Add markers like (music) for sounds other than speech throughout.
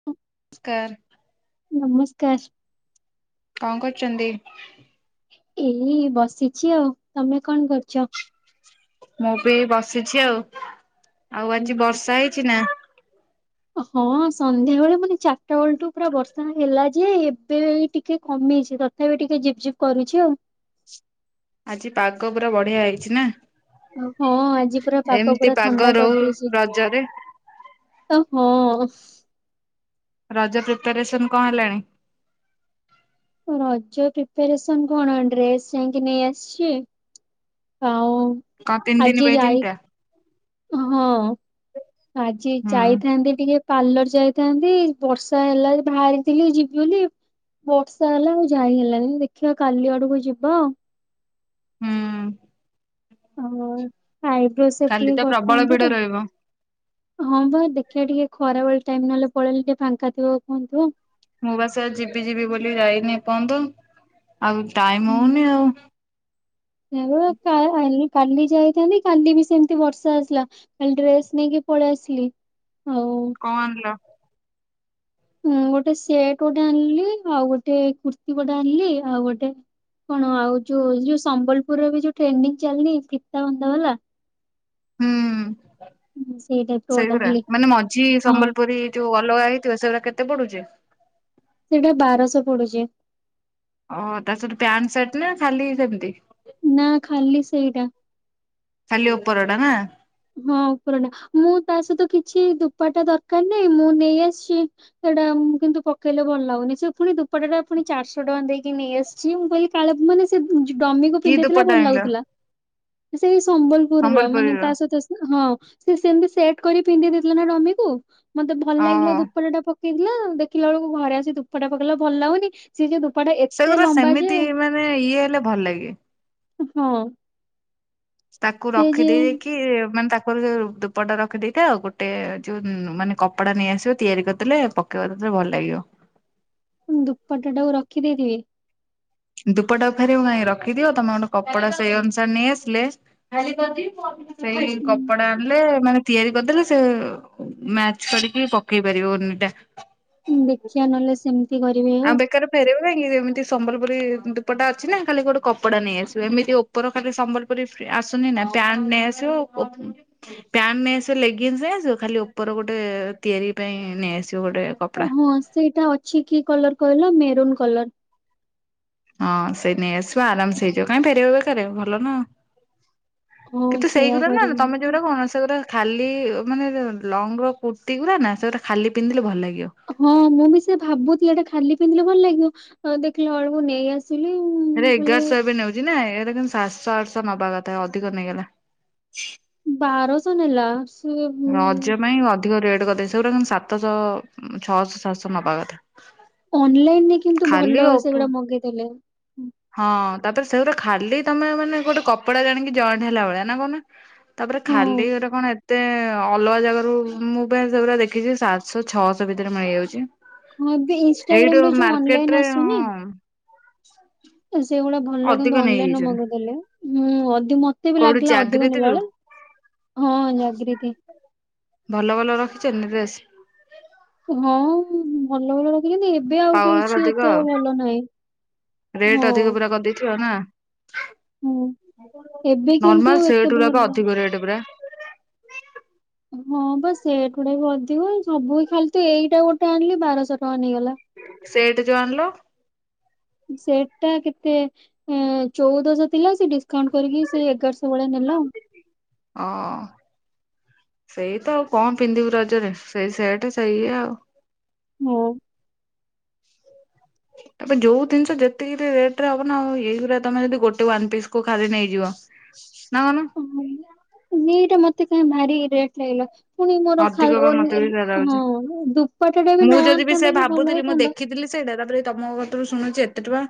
(inaudible) Car ନମସ୍କାର। କଣ କରୁଚନ୍ତି? ଏଇ ବସିଛି ଆଉ। ତମେ କଣ କରୁଛ? ମୁଁ ବି ବସିଛି ଆଉ। ଆଉ ଆଜି ଉହୁଁ। ବର୍ଷା ହେଇଛି ନା? ହଁ ସନ୍ଧ୍ୟାବେଳେ ମାନେ ଚାରିଟା ବେଳଠୁ ପୁରା ବର୍ଷା ହେଲା ଯେ ଏବେ ଟିକେ କମେଇଛି। ତଥାପି ଟିକେ ଝିପ୍ ଝିପ୍ କରୁଛି ଆଉ। ଆଜି ପାଗ ପୁରା ବଢିଆ ହେଇଛି ନା? ଆଉ ହଁ ଆଜି ପୁରା ପାଗ ଏମିତି ପୁରା ଥଣ୍ଡା ରହୁ କରିଦେଇଛି। ରଜରେ ତ ହଁ। ରଜ ପ୍ରିପାରେସନ କଣ ହେଲାଣି? ରଜ ପ୍ରିପାରେସନ କଣ, ଡ୍ରେସ ଯାଇଁକି ନେଇ ଆସିଛି। ଆଉ କଣ ତିନ ଦିନ ଆଜି ପାଇଁ ଯାଇ ତିନଟା। ହଁ, ଆଜି ହୁଁ ଯାଇଥା ନ୍ତି ଟିକେ ପାର୍ଲର ଯାଇଥାନ୍ତି। ବର୍ଷା ହେଲା ବାହାରିଥିଲି ଯିବି ବୋଲି। ବର୍ଷା ହେଲା ଆଉ ଯାଇ ହେଲାନି। ଦେଖିଆ କାଲି ଆଡକୁ ଯିବା ଆଉ। ହୁଁ। ହଁ ଆଇବ୍ରୋ ସେପ କାଲି ଟିକେ ତ ପ୍ରବଳ କରିଥାନ୍ତି ଭିଡ ତ। ରହିବ ହଁ ଭାଇ ଦେଖିବା ଟିକେ ଖରାବେେଳେ ଟାଇମ ନହେଲେ ପଳେଇଲେ ଟିକେ ଫାଙ୍କା ଥିବ କୁହନ୍ତୁ। ମୁଁ ବାସ ଯିବି ଯିବି ବୋଲି ଯାଇନି ଏପର୍ଯ୍ୟନ୍ତ। ଆଉ ଟାଇମ ହଉନି ଆଉ। ମୁଁ ତା କାଲି ଯାଇଥାନ୍ତି, କାଲି ବି ସେମିତି ବର୍ଷା ଆସିଲା। ଖାଲି ଡ୍ରେସ୍ ନେଇକି ପଳେଇ ଆସିଲି ଆଉ। କଣ ଆଣିଲ? ମୁଁ ଗୋଟେ ସେଟ ଗୋଟେ ଆଣିଲି। ଆଉ ଗୋଟେ କୁର୍ତ୍ତି ଗୋଟେ ଆଣିଲି। ଆଉ ଗୋଟେ କଣ ଆଉ ଯୋଉ ଯୋଉ ସମ୍ବଲପୁରରେ ବି ଯୋଉ ଟ୍ରେଣ୍ଡିଂ ଚାଲିନି ଫିତାବନ୍ଧା ବାଲା। ହୁଁ ସେଇ ଟାଇପ୍ ର ଗୋଟେ ସେଇଗୁରା, ଆଣିଲି ମାନେ ମଝି ହଁ ସମ୍ବଲପୁରୀ ଯୋଉ ଅଲଗା ହେଇଥିବ ସେଗୁରା କେତେ ପଡୁଛି? ସେଇଟା ବାରଶହ ପଡୁଛି। ଅଁ ତା ସହିତ ପ୍ୟାଣ୍ଟ ସାର୍ଟ ନା ଖାଲି ସେମିତି? ନା ଖାଲି ସେଇଟା। ଖାଲି ଉପରଟା ନା। ହଁ ଉପରଟା। ମୁଁ ତା ସହିତ କିଛି ଦୂପଟା ଦରକାର ନାହିଁ, ମୁଁ ନେଇ ଆସିଛି। ସେଇଟା ମୁ କିନ୍ତୁ ପକେଇଲେ ଭଲ ଲାଗୁନି। ସେ ପୁଣି ଦୁପଟା ଟା ପୁଣି ଚାରିଶହ ଟଙ୍କା ଦେଇକି ନେଇ ଆସିଛି। ମୁଁ କହିଲି କାଳେ ମାନେ ସେ ଜ-ଡମିକୁ କି ପିନ୍ଧେଇଥିଲା ଦୁପଟା ଭଲ ଆଣିଲ? ଲାଗୁଥିଲା। ସେଇ ସମ୍ବଲପୁରର ମାନେ ସମ୍ବଲପୁରୀର ତା ସହିତ ତ ସେ, ହଁ ସେ ସେମିତି ସେଟ କରି ପିନ୍ଧି ଦେଇଥିଲା ନା ଡମିକୁ, ମତେ ଭଲ ଓହୋ ଲାଗିଲା ଦୋପଟାଟା ପ ପିନ୍ଧିଲା, ଦେଖିଲାବେଳକୁ ଘରେ ଆସି ଦୁଫଟା ପକେଇଲା ଭଲ ଲାଗୁନି ସିଏ ଯେ ଦୂପାଟା ଏତେ ସେଗୁରା ଲମ୍ବା ଯେ, ସେମିତି ମାନେ ଇଏ ହେଲେ ଭଲ ଲାଗେ। ହଁ। ତାକୁ ସେ ରଖି ଯେ ଦେଇକି କି ମାନେ ତାଙ୍କର ଯଉ ଦୋପଟା ରଖିଦେଇଥା, ଆଉ ଗୋଟେ ଯୋଉ ମାନେ କପଡା ନେଇଆସିବୁ ତିଆରି କରିଦେଲେ ପ କରିଦେ ଭଲ ଲାଗିବ। ଁ ଦୁପଟା ଟାକୁ ରଖି ଦେଇଥିବି। ଦୁପଟା ଆଉ ଫେରିବ କାଇଁ ରଖିଦିଅ, ତମେ ଗୋଟେ କପଡା ସେଇ ଅନୁସାରେ ନେଇ ଆସିଲେ ସେଇ କପଡା ଆଣିଲେ, ମାନେ ତିଆରି କରିଦେଲେ ସେ ମ୍ୟାଚ କରିକି ପକେଇ ପାରିବ ଓନିଟା। ଦେଖିବା ନହଲେ ସେମିତି ଆଉ ବେକାର ଫେରେଇବ କାଇଁକି, ଯେମିତି ସମ୍ବଲପୁରୀ ଦୂପଟା ଅଛି ନା ଖାଲି ଗୋଟେ କପଡା ନେଇଆସିବେ। ଏମିତି ଉ ପର ଖାଲି ସମ୍ବଲପୁରୀ ଆସୁନି ନା ପ୍ୟାଣ୍ଟ ନେଇ ଆସିବ। ପ୍ୟାଣ୍ଟ ନେଇଆସିବ, ଲେଙ୍ଗିସ୍ ନେଇ ଆସିବ, ଖାଲି ଉପର ଗୋଟେ ତିଆରି ପାଇଁ ନେଇଆସିବ ଗୋଟେ କପଡା। ହଁ ସେଇଟା ଅଛି କି କଲର କହିଲ ମେରୁନ୍ କଲର୍। ହଁ ସେଇ ନେଇ ଆସିବ ଆରାମସେ ହେଇଯିବ। କାଇଁ ଫେରଇବ ବେକାରେ ଭଲ ନା। ହଁ କିନ୍ତୁ ସେଇୟା ସେଇଗୁରା ନା, କରିବି ତମେ ନହେଲେ ଯେଉଗୁରା କହୁନା ସେଗୁ ଖାଲି ମାନେ ଲଙ୍ଗ ର କୁର୍ତ୍ତିୀ ଗୁଡା ନା, ସେଗୋଟା ଖାଲି ପିନ୍ଧିଲେ ଭଲ ଲାଗିବ। ହଁ ମୁଁ ବି ସେ ଭାବୁଛଥିଲି, ଏଇଟା ଖାଲି ପିନ୍ଧିଲେ ଭଲ ଲାଗିବ। ଦେଖିଲା ବେଳକୁ ନେଇ ଆସ (unintelligible) ହେଲେ ଏଗାରଶହ ଏବେ ନେଉଛି ନା, ଏଗୁରା କିନ୍ତୁ ସାତଶହ, ଆଠଶହ ନବା କଥା ଅଧିକ ନେଇଗଲା। ବାରଶହ ନେଲା। ସେ ରଜ ପାଇଁ ଅଧିକ ରେଟ୍ କରିଦେଇଛି, ସେଗୁଡା କିନ୍ତୁ ସାତଶହ ଛଅଶହ ସାତଶହ ନବା କଥା। ଅନଲାଇନ ରେ କିନ୍ତୁ ଖାଲି ଭଲ, ଓପ ସେଭଳିଆ ମଗେଇଦେଲେ। ହଁ ତାପରେ ସେଗୁଡା ଖାଲି ତମେ ମାନେ ଗୋଟେ କପଡା ଜାଣିକି ଜଏଣ୍ଟ ହେଲା ଭଳିଆ, ନା କହୁନା। ତାପରେ ହଁ ଖାଲି ଗୋଟେ କଣ ଏତେ ଅଲଗା ଜାଗା ରୁ ମୁଁ ପା ସେଗୁଡା ଦେଖିଛି, ସାତଶହ ଛଅଶହ ଭିତରେ ମିଳିଯାଉଛି। ହଁ ଏବେ ଇନଷ୍ଟାଗ୍ରାମ ଏଇଟୁ ରେ ଯୋଉ ଅନଲାଇନ ମାର୍କେଟରେ ହଁ। ସେଇଭଳିଆ ଭଲ ଅଧିକ କିନ୍ତୁ ଅନଲାଇନ ରୁ ନେଇଯାଇଛନ୍ତି। ମଗେଇଦେଲେ ଁ ଅଧିକ-ମତେ ବି କୋଉଠି ଲାଗିଲା ଅଧିକ ଜାଗୃତିରୁ ନେଲାବଳିଆ। ହଁ ଜାଗ୍ରୀତି। ଭଲ ଭଲ ରଖିଛନ୍ତି ନା ଡ୍ରେସ୍। ହଁ ଭଲ ଭଲ କିନ୍ତୁ ଏବେ ଆଉ ପାୱାର କିଛି ଅଧିକ ଏତେ ଆଉ ଭଲ ନାହିଁ। ହଁ। ଗଦେଇଥିବ ନା। ହୁଁ। ଏବେ ନର୍ମାଲ କିନ୍ତୁ ସେଟ୍ ଏତେ ଗୁରା ପା ଭଲ ଅଧିକ ରେଟ୍ ପୁରା। ହଁ ବା ସେଟ୍ ଗୁଡା ବି ଅଧିକ, ସବୁ ଖାଲି ତ ଏଇଟା ଗୋଟେ ଆଣିଲି ବାରଶହ ଟଙ୍କା ନେଇଗଲା। ସେଟ୍ ଯୋଉ ଆଣିଲ? ସେଟ୍ ଟା କେତେ ଏଁ ଚଉଦଶହ ଥିଲା ସେ ଡିସକାଉଣ୍ଟ କରିକି ସେ ଏଗାରଶହ ଭଳିଆ ନେଲା ଆଉ। ହଁ ସେଇ ତ ଆଉ କଣ ପିନ୍ଧିବୁ ରଜରେ ସେଇ ସେଟ ସେଇ ଇଏ ଆଉ। ହଉ। ଏବେ ଯୋଉ ଜିନିଷ ଯେତିକରେ ରେଟ ରେ ହବ ନାଉ ଏଇ ଗୁରା ତମେ ଯଦି ଗୋଟେ ୱାନ୍ ପିସ୍ କୁ ଖାଲି ନେଇଯିବ। ନନ (unintelligible) ଓ ଦିଟା ମତେ କାହି ଭାରି ରେଟ ଲାଗିଲା। ପୁଣି ମୋର ଖା ଅଧିକ ବା ମତେ ଓନି ବି ସେୟା ହଁ ଲାଗୁଛି। ଦୁପାଟ ଟା ବି ମୁଁ ନ ଯଦି ସେ ଆଣିଥାନ୍ତେ କି ଭଲ ଭାବୁଥିଲି ମୁଁ ହେଇଥାନ୍ତା ଦେଖିଥିଲି ସେଇଟା ତାପରେ ତମ କତରୁ ଶୁଣୁଛି ଏତେ ଟଙ୍କା।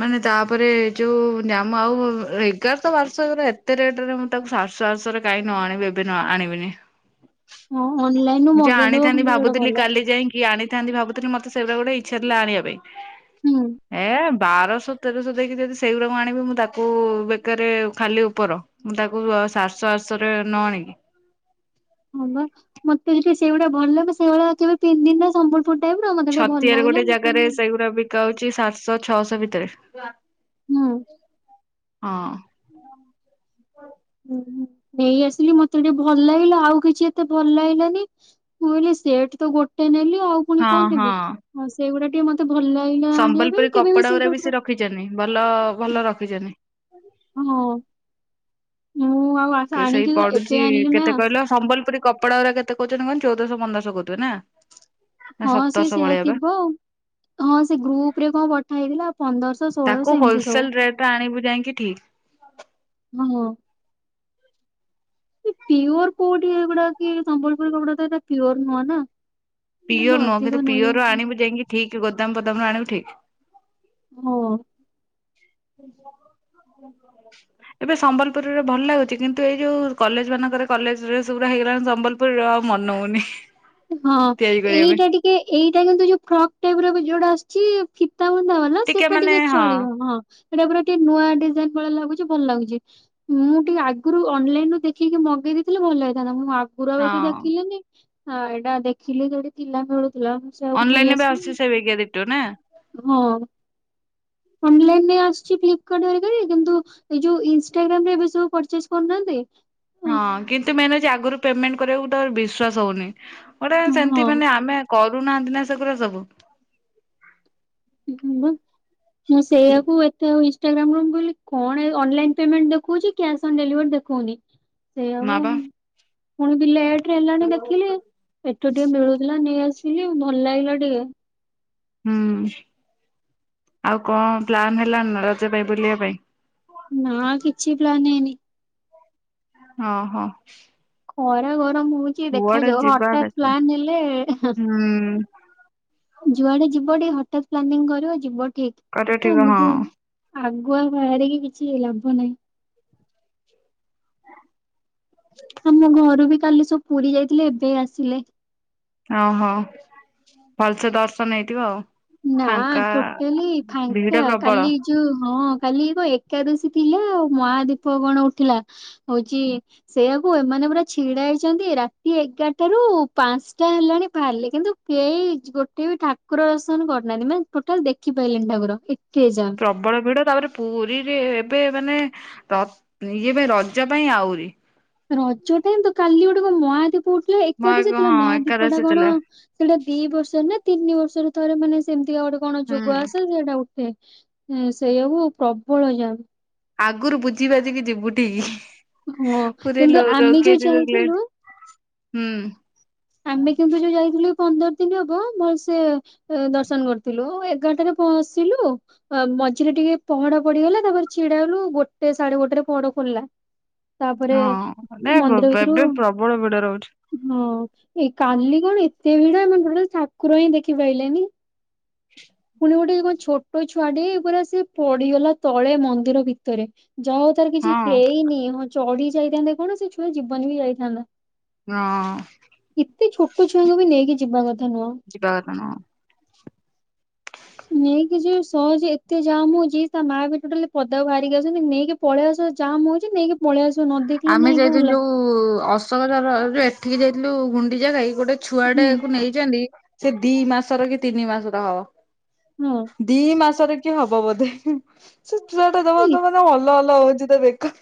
ମାନେ ତାପରେ ଯୋଉାନାଁ ମ ଆଉ ଏଗାର ଶହ ବାରଶହ ଗୁରା ଏତେ ରେଟର। ତାକୁ ସାତ ସହ ଆଠ ସହ ରେ କାଇଁ ନ ଆଣିବି, ଏବେ ଆଣିବିନି। ହଁ ଅନଲାଇନ ରୁ ଯା ମଗେଇଦବ ଆଣିଥାନ୍ତି କିନ୍ତୁ ସେଇଟା ଭାବୁଥିଲି ଭଲ କାଲି ଯାଇଁକି କିଏ ଆଣିଥାନ୍ତି ଭାବୁଥିଲି ମତେ ସେଇଗୁଡା ଗୋଟେ ଇଚ୍ଛା ଥିଲା ଆଣିବା ପାଇଁ, ହୁଁ। ଏ ବାରଶହ ତେରଶହ ଦେଇକି ଯଦି ସେଇଗୁଡାକ ଆଣିବୁ ମୁଁ ତାକୁ ବେକାରେ ଖାଲି ଉପର ମୁଁ ତାକୁ ଶାତ ଶହ ଆାଠ ଶହ ରେ ନ ଆଣିକି। ହଁ ବା ମତେ (unintelligible) ସେଇଗୁଡା ଭଲ ଲାଗେ, ସେଇଭଳିଆ କେବେ ପିନ୍ଧିନି ନା ସମ୍ବଲ ଛତିଆରେ ଗୋଟେ ଜାଗାରେ ସେଇଗୁଡା ବି ତ ହଉଛି ସାତଶହ ଛଅଶହ ଭିତରେ ହୁଁ ହଁ ହୁ ହୁଁ ନେଇ ଆସିଲି ମତେ ଟିକେ ଭଲ ଲାଗିଲା ଆଉ କିଛି ଏତେ ଭଲ ଲାଗିଲାନି। ମୁଁ କହିଲି ସେଟ ତ ଗୋଟେ ନେଲି ଆଉ ପୁଣି ହଁ କଣ ହଁ ନେବି ଆଉ ସେ ସେଇଗୁଡା ଟିକେ ମତେ ଭଲ ଲାଗିଲା ଆଣିବା ସମ୍ବଲପୁରୀ ପାଇଁ କେବେ ବି କପଡା ଗୁରା ସେଇଟାଇପ୍ ସେ ରଖିଛନ୍ତି ଭଲ ଭଲ ର ରଖିଛନ୍ତି ହଁ ମୁଁ ଆଉ ଆସ ସେଇ ଆଣିକି ପଡୁଛି ଏବେ ଆଣିଲି ନା କେତେ କହିଲ ସମ୍ବଲପୁରୀ କପଡ଼ା ଗୁଡା କେତେ କହୁଛନ୍ତି କହନି, ଚଉଦଶହ ପନ୍ଦରଶହ କହୁଥିବେ ନା। ନା ହଁ ସେ ସତରଶହ ସେଇୟା ଭଳିଆ ବା ଥିବ ଆଉ। ହଁ ସେ ଗ୍ରୁପ ରେ କଣ ପଠା ହେଇଥିଲା ପନ୍ଦରଶହ ତାକୁ ଷୋହଳଶହ ଏମିତି ସବୁ। ହୋଲସେଲ ରେଟରେ ଆଣିବୁ ଯାଇକି ଠିକ ଅ ହଁ। କି ପିଓର କୋଉଠି ଏଗୁଡା କି ସମ୍ବଲପୁରୀ କପଡା ତ ଏଟା ପିଓର ନୁହେ ନା। ପିଓର ନୁହଁ କିନ୍ତୁ ଅଧିକ ପିଓର ନେଇଯାଉଛନ୍ତି ଆଣିବୁ ଯାଇକି ଠିକ ଗୋଦାମ ପଦାମ ରୁ ଆଣିବୁ ଠିକ। ହଁ। ହ। (unintelligible) ଏବେ ସମ୍ବଲପୁରରେ ଭଲ ଲାଗୁଛି କିନ୍ତୁ ଏଇ ଯୋଉ କଲେଜ ମାନଙ୍କରେ କଲେଜ ରେ ଡ୍ରେସ ହେଇଗଲାଣି ସମ୍ବଲପୁର ପୁରା ଆଉ ମନହେଉନି। ହଁ ଏଇଟା ଟିକେ ଏଇଟା କିନ୍ତୁ ଯୋଉ ଫ୍ରକ୍ ଟାଇପ ର ବି ଯୋଉଟା କି ଫିତା ବୁନ୍ଦା ବାଲା ସେଟା ଟିକେ ଚଳିବ ହଁ। ହେଡା ପୁରା ଟିକେ ନୂଆ ଡିଜାଇନ ଭଳି ଲାଗୁଛି ଭଲ ଲାଗୁଛି। ମୁଁ ଟିକେ ଆଗରୁ ଅନଲାଇନ ରୁ ଦେଖିକି ମଗେଇ ଦେଇେଇଥିଲେ ଭଲ ହେଇଥାନ୍ତା ମୁଁ ଆଗ କୁକୁର ବି ଏତେ ହଁ ଦେଖିଲିନି ଏଇଟା ଦେଖିଲି ଯଉଠି ଥିଲା ଖେଳୁଥିଲା। ଅନଲାଇନ ଏବେ ଆସୁଛି ସେଇବିକା ଡିଟୋ ନାଁ। ହଁ। ଅନଲାଇନରେ ଆସିୁଛି ଫ୍ଲିପକାର୍ଟରିକାରେ କିନ୍ତୁ ଏଇ ଯୋଉ ଇନଷ୍ଟାଗ୍ରାମ ରେ ଏବେ ସବୁ ପରଚେଜ କରୁନାହାନ୍ତି? ହଁ କିନ୍ତୁ ମେନ୍ ଅଉଛି ଆଗରୁ ପେମେଣ୍ଟ କରିବାକୁ ଗୋଟେ ବିଶ୍ଵାସ ହଉନି, ଗୋଟେ ସେମିତି ମାନେ ଆମେ କରୁନାହାନ୍ତି ନା ସେଗୁରା ସବୁ। ହମ୍ବା ମୁଁ ସେଇଆକୁ ଏତେ ଆଉଇ ଇଷ୍ଟାଗ୍ରାମ କଣ କହିଲେ କଣ ଏଇ ଅନଲାଇନ ପେମେଣ୍ଟ ଦେଖଉଛି କେନସଲ ଡେଲିଭରି ଦେଖଉନି। ସେଇ ହବ ମା ବା ପୁଣି ଲେଟରେ ହେଲାଣି ଦେଖିଲି। ଏଠୁ ଟିକେ ମିଳୁଥିଲା ନେଇ ଆସିଲି ଭଲ ଲାଗିଲା ଟିକେ। ହୁଁ ଆଉ କଣ ପ୍ଲାନ ହେଲ ନା ରଜ ପାଇଁ ବୁଲିବା ପାଇଁ। ନା କିଛି ପ୍ଲାନ ହେଇନି। ହଁ ହଁ। ଖରା ଗରମ ହଉଛି ଦେଖାଯାଉ ଯିବା ହଠାତ୍ ଦେଖା ପ୍ଲାନ୍ ହେଲେ ହୁଁ। ଯୁଆଡେ ଯିବ ଟିକେ ହଠାତ୍ ପ୍ଲାନିଂ କରିବ ଯିବ ଠିକ୍ କରିବ ଠିକ ହଁ ଆଗୁଆ ବାହାରିକି କିଛି ଲାଭ ନାହିଁ। ଆମ ଘରୁ ବି କାଲି ସବୁ ପୁରୀ ଯାଇଥିଲେ ଏବେ ଆସିଲେ। ଅ ହ ଭଲସେ ଦର୍ଶନ ହେଇଥିବ ଆଉ। ନା ଫାଙ୍କା ଟୋଟଲି ଭିଡ ଫାଙ୍କା ପ୍ରବଳ କାଲି। ଯୋ ହଁ କାଲି ଏକ ଏକାଦଶୀ ଥିଲା ଆଉ ମହାଦୀପ କଣ ଉଠିଲା ହଉଛି ସେଇଆକୁ ଏମାନେ ପୁରା ଛିଡା ହେଇଛନ୍ତି ରାତି ଏଗାରଟାରୁୁ ପାଞ୍ଚଟା ହେଲାଣି ବାହାରିଲେ କିନ୍ତୁ କେଇ ଗୋଟେ ବି ଠାକୁର ଦର୍ଶନ କରିନାହାନ୍ତି ମାନେ ଟୋଟାଲ ଦେଖିପାଇଲେନି ଠାକୁର ଏ କେ ଯା। ପ୍ରବଳ ଭିଡ ତାପରେ ପୁରୀରେ ଏବେ ମାନେ ତ ଇଏ ପାଇଁ ରଜା ପାଇଁ ଆହୁରି। ରଜ ଦିନ୍ ତ କାଲି ଗୋଟେ କଣ ମହାଦୀପ ଉଠିଲା ମୋ ଏକାଦଶ ଥିଲା ହଁ ମହାଦୀପ ଟା ଏକାଦଶୀ କଣ ଥିଲା ସେଇଟା ଦି ବର୍ଷ ନା ତିନି ବର୍ଷର ଥରେ ମାନେ ସେମିତିକା ଗୋଟେ କଣ ଯୋଗ ହୁଁ ଆସେ ସେଇଟା ଉଠେ। ହୁଁ ସେଇଆକୁ ପ୍ରବଳ ଯାମେ। ଆଗରୁ ବୁଝି ବାଜିକି ଯିବୁ ଟି ହଁ ପୁରୀ କିନ୍ତୁ ଲ ଆମେ ଲୋକେ ଯୋଉ ଯେମିତି ଲେନ୍ ଯାଇଥିଲୁ ହୁଁ। ଆମେ କିନ୍ତୁ ଯୋଉ ଯାଇଥିଲୁ ପନ୍ଦର ଦିନ ହବ ଭଲ ସେ ଦର୍ଶନ କରିଥିଲୁ ଏଗାରଟାରେ ପସିଲୁ ଆଉ ମଝିରେ ଟିକେ ପହଡ ପଡିଗଲା ତାପରେ ଛିଡା ହେଲୁ ଗୋଟେ ସାଢେ ଗୋଟେରେ ପହଡ ଖୋଲିଲା। ତାପରେ ହଁ ନା ମନ୍ଦିର ଭିତରୁ ଏବେ ହଁ ପ୍ରବଳ ଭିଡ ରହୁଛି ଏ କାଲି କଣ ଏତେ ଭିଡ ଏମାନେ ପଢ଼ା ଠାକୁର ହିଁ ଦେଖି ପାଇଲେନି। ପୁଣି ଗୋଟେ କଣ ଛୋଟ ଛୁଆଟେ ପୁରା ସେ ପଡିଗଲା ତଳେ ମନ୍ଦିର ଭିତରେ ଯା ହଉ ତାର କିଛି ହଁ ହେଇନି ହଁ ଚଢି ଯାଇଥାନ୍ତେ କଣ ସେ ଛୁଆ ଜୀବନ ବି ଯାଇଥାନ୍ତା। ହଁ। ଏତେ ଛୋଟ ଛୁଆଙ୍କୁ ବି ନେଇକି ଯିବା କଥା ନୁହଁ। ଯିବା କଥା ନୁହଁ। ନେଇକି ଯେ ସହଜେ ଏତେ ଜାମ୍ ହଉଛି ତା ମାଆ ବି ଟୋଟାଲି ପଦାକୁ ବାହାରିକି ଆସୁନି ନେଇକି ପଳେଇବା ସହ ଜାମ୍ ହଉଛି ନେଇକି ପଳେଇ ଆସିବ ନ ଦେଖିଲ ନାଇଁ କଣ ହେଲା। କୁ ଅଶୋକ ଝର ଯେ ଏଠିକି ଯାଇଥିଲୁ ଗୁଣ୍ଡିଚା ଘାଇ ଗୋଟେ ଛୁଆ ହୁଁ ଟାକୁ ନେଇଚନ୍ତି। ସେ ଦି ମାସର କି ତିନି ମାସର ହବ ହଁ ଦି ମାସରେ କି ହବ ବୋଧେ ସେ ଚୁଆଟା ଦବ ଏ ଦବନା ହଲ ହଲ ହଉଛି ତା ବେକ।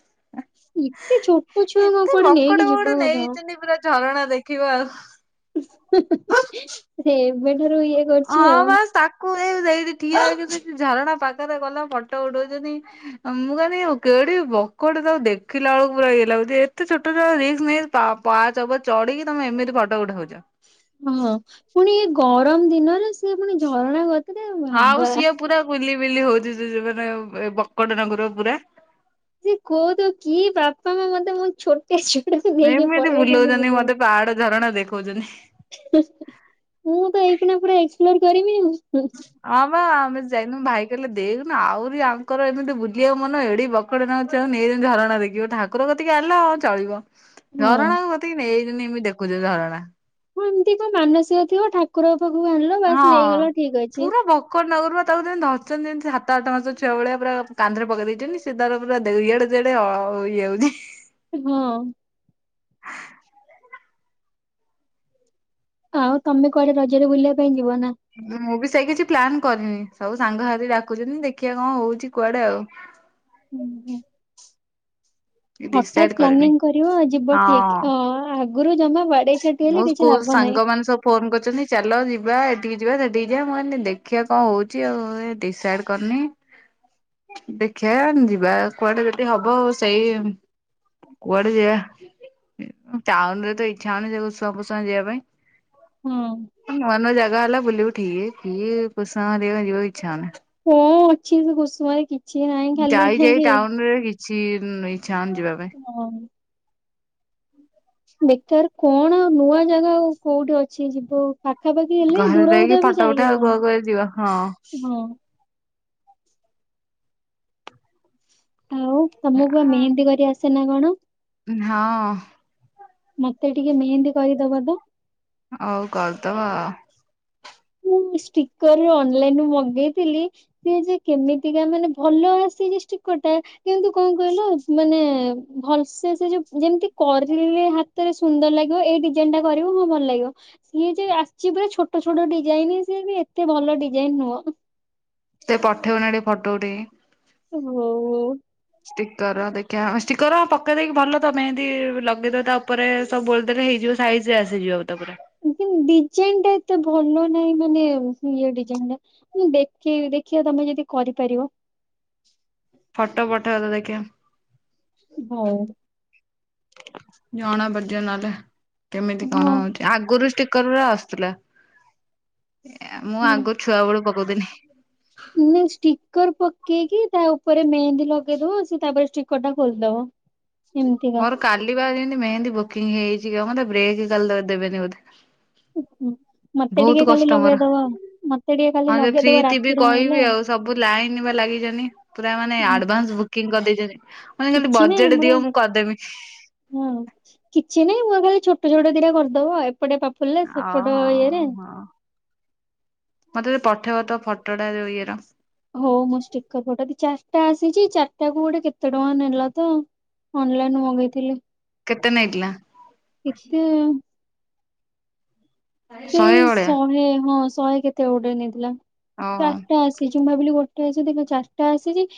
ଏତେ ଛୋଟ ଛୁଆଙ୍କୁ ଏତେ କୁଆଡେ ନେଇକି ମକଡ ଯିବା ବକଡ କଥା। ନେଇଚନ୍ତି ପୁରା ଝରଣା ଦେଖିବ ଆଉ। ଏବେଠାରୁ ଇଏ କରୁଛି ଅଁ ଆଉ ହଁ ସାତ୍ କଣ ଏଇ ସେଇଠି ଠିଆ ହେଇଚନ୍ତି ଝରଣା ପାଖରେ ଗଲା ଫଟ ଉଠଉଛନ୍ତି। ମୁଁ କହିଲି କେଡ଼ିକି ବକଟେ ତାକୁ ଦେଖିଲା ବେଳକୁ ପୁରା ଇଏ ଲାଗୁଛି ଏତେ ଛୋଟ ଛୁଆ ରିସ୍କ ନେଇ ପାଆ ପାହାଚ ଉପରେ ଚଢିକି ତମେ ଏମିତି ଫଟୋ ଉଠଉଛ। ହଁ ପୁଣି ଏ ଗରମ ଦିନରେ ସେ ପୁଣି ଝରଣା କ ଆଉ ସିଏ ପୁରା ବୁଲି ବିଲି ହଉଛି ସେ ମାନେ ଏ ବକଟେ ନାଗୁରୁ ପୁରା। ଯେ କୋହୁଥିବ କି ବାପା ମା ମତେ ମୋ ଛୋଟ ଛୁଆଟକୁ ନେଇକି ଏମିତି ପଳେଇ ଆଇଛନ୍ତି ବୁଲଉଛନ୍ତି ବୁଲିବାକୁ। ମତେ ପାହାଡ ଝରଣା ଦେଖଉଛନ୍ତି। ହଁ ମୁଁତ ଏହି କିନା ପୁରା ଏକ୍ସପ୍ଲୋର କରିବି। ହଁ ବା ଆମେ ଯାଇନୁ ଭାଇ କହିଲେ, ଦେଇଉନ ଆହୁରି ଆଙ୍କର ଏମିତି ବୁଲିବାକୁ ମନ ଏଡିକି ବ ବକେଟ ନାଗୁରୁ ଛୁଆକୁ ନେଇ ଆସିଛନ୍ତି, ଝରଣା ଦେଖିବାକୁ ଠାକୁର କତିକି ଆଣିଲ ହଁ ଚଳିବ। ହଁ। ଝରଣା କତିକି ନେଇଛନ୍ତି ଏମିତି ଦେଖୁଛନ୍ତୀ ଝରଣା। ହଁ ଏମିତି କଣ ମାନସିକ ଥିବ ଠାକୁରଙ୍କ ପାଖକୁ ଆଣିଲ ବାସ ନେଇଗଲ ଠିକ ଅଛି। ବକେଟ ନାଗୁରୁ ପା ତାକୁ ଧରିଛନ୍ତି ଯେମିତି ସାତ ଆଠ ମାସ ଛୁଆ ଭଳିଆ ପୁରା କାନ୍ଧରେ ପକେଇ ଦେଇଛନ୍ତି ସେ ତାର ପୁରା ଇଆଡ଼େ ସିଆଡେ ଇଏ ହଉଛି। ହଁ। ଆଉ ତମେ କୁଆଡେ ରଜରେ ବୁଲିବା ପାଇଁ ଯିବ ନା। ମୁଁ ବି ସେଇ କିଛି ପ୍ଲାନ କରିନି ସବୁ ସାଙ୍ଗ ସାଥି ଡାକୁୁଛନ୍ତି, ଦେଖିବା କଣ ହଉଛି କୁଆଡେ ଆଉ। ହୁଁ ହୁଁ। ଡିସାଇଡ୍ ହଠାତ୍ କରିନି ପ୍ଲାନିଂ କରିବ ଯିବ ହଁ। ଠିକ ହଁ ଆଗରୁ ଜମା। ବାଡେଇ ଛାଟି ମୋ ହେଲେ କିଛି ସ୍କୁଲ ଲାଭ ନାହିଁ। ସାଙ୍ଗମାନେ ସବୁ ଫୋନ କରିୁଛନ୍ତି ଚାଲ ଯିବା ଏଠିକି ଯିବା ସେଠିକି ଯିବା ମୁଁ କହିନି ଦେଖିବା କଣ ହଉଛି ଆଉ ଡିସାଇଡ୍ କରିନି। (inaudible) ଦେଖିବା ଯିବା କୁଆଡେ ଯଦି ହବ ଆ ସେଇ କୁଆଡେ ଯିବା ଟାଉନ୍ ରେ ତଇ ଇଛା ହଉନି ସେଇ କୁସୁମା ଫୁସୁମା ଯିବା ହଁ ପାଇଁ ନୂଆ ନୂଆ ଜାଗା ହେଲା ବୁଲିବୁ। ଠିକ କିଏ ପୋଷା ମାରିବ ଯିବା କୁ ଇଛା ନାହିଁ। କଣ ଅଛି ସେ କୁସୁମାରେ କି? ଯାଇ ଯାଇ ଟାଉନ ରେ କିଛି ଇଚ୍ଛା ହଉନି ଯିବା ପାଇଁ। ହଁ। ବେକାର କଣ ନୂଆ ଜାଗା ଆଉ କୋଉଠି ଅଛି ଯିବୁ। ପାଖା ପାଖି ହେଲେ ଘରେ ଦୁରକୁତ ରହିକି ଏବେ ଫଟୋ ଉଠା ଆଉ ଯାଇହବନି କୁଆଡେ କୁଆଡେ ଯିବା ହଁ ହଁ। ଆଉ ତମକୁ ବା ମେହେନ୍ଦୀ କରି ଆସେ ନା କଣ। ହଁ। ମତେ ଟିକେ ମେହେନ୍ଦୀ କରିଦବ ତ। ହଉ କରିଦବା ଆଉ। ମୁଁ ସ୍ପିକର ରୁ ଅନଲାଇନ୍ ରୁ ମଗେଇଥିଲି। ସିଏ ଯେ କେମିତିକା ମାନେ ଭଲ ଆସିନି ଷ୍ଟିକର ଟା କିନ୍ତୁ କଣ କହିଲ ମାନେ ଭଲସେ ସେ ଯୋଉ ଯେମିତି କରିଲେ ହାତରେ ସୁନ୍ଦର ଲାଗିବ ଏଇଠି ଯେନ୍ଟା କରିବୁ ମଁ ଭଲ ଲାଗିବ ସିଏ ଯେ ଆସିିଚୁ ପୁରା ଛୋଟ ଛୋଟ ଡି ଡିଜାଇନ ସିଏ ବି ଏତେ ଭଲ ଡିଜାଇନ ନୁହଁ। ଟିକେ ପଠେଇବୁନା ଟିକେ ଫୋଟୋ ଉଠେଇକି। ହଉ ହଉ। ଷ୍ଟିକର ଦେଖିବା ଷ୍ଟିକର ପକେଇ ଦେଇକି ଭଲ ତ ମେହେନ୍ଦି ଲଗେଇଦବ ତା ଉପରେ ସବୁ ବଳେ ଦେଲେ ହେଇଯିବ ସାଇଜ ରେ ଆସିଯିବ ତାପରେ। ଲେକନ ଡିଜାଇନ ଟା ଏତେ ଭଲ ନାହିଁ ମାନେ ଇଏ ଡିଜାଇନ ଟା। ମୁଁ ଦେଖି ଦେଖିବା ତମେ ଯଦି କରିପାରିବ। ଫଟୋ ପଥାଅ ତ ଦେଖିବା। ହଉ। ଜଣା ପଡିଯିବ ନହେଲେ କେମିତି ହଁ କଣ ଅଛି। ଆଗରୁ ଷ୍ଟିକରଗୁରା ଆସୁଥିଲା ମୁଁ ଆଗରୁ ଛୁଆ ବେଳୁ ପକଉ ଥିନି। ନାଇ ଷ୍ଟିକର ପକେଇକି ତା ଉପରେ ମେହେନ୍ଦୀ ଲଗେଇଦବ ସେ ତାପରେ ଷ୍ଟିକର ଟା ଖୋଲିଦବ। ନିମତିଗା। ମୋର କାଲି ବା ଯେମିତି ମେନ୍ଦୀ ବୁକିଂ ହେଇଛି କାଇଁ ମତେ ବ୍ରେକ୍ କାଲି ଦେବେନି ବୋଧେ। ମତେ ବହୁତ ଟିକେ କାଲି କଷ୍ଟ ମୋର। ଲଗେଇଦବା ମତେ ଟିକେ ହଁ କାଲି ଯେ ଫ୍ରି ଲଗେଇଦବ ଥିବି ରାତିରେ ନହଲେ କହିବି ଆଉ। ସବୁ ଲାଇନ ବା ଲାଗିଛନ୍ତି। ପୁରା ମାନେ ହୁଁ, ଆଡଭାନ୍ସ ବୁକିଂ କରିଦେଇଛନ୍ତି। ମାନେ ଖାଲି କିଛି ନାଇଁ ବଜେଟ ଆମର ଦିଅ ମୁଁ କରିଦେବି। ହଁ କିଛି ନାଇଁ ମୁଁ ଖାଲି ଛୋଟ ଛୋଟ ଦିଟା କରିଦବ ଏପଟେ ପାପୁୁରେ ଅ ସେପଟ ଇଏରେ ହଁ ମତେ ଯଦ ପଠେଇବ ତ ଫଟୋଟା ଯୋ ଇଏର ହଉ ମୁଁ ଷ୍ଟିକର ଫଟ ଚାରିଟା ଆସିଛି ଚାରିଟା କୁ ଗୋଟେ କେତେ ଟଙ୍କା ନେଲା ତ ଅନଲାଇନ ମଗେଇଥିଲି। କେତେ ନେଇଥିଲା। କେତେ ସେଇ ଶହେ ହଁ ଶହେ କେତେ ଗୋଟେ ନେଇଥିଲା ଓହୋ। ଚାରଟା ଆସ ସେ ଯେଁ ଭାବିଲି ଗୋଟେ ଆସେ ଦେଖ ଚାରିଟା ଆସେଛି